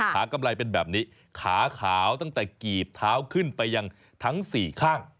กำไรเป็นแบบนี้ขาขาวตั้งแต่กีบเท้าขึ้นไปยังทั้งสี่ข้าง